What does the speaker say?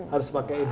harus pakai ini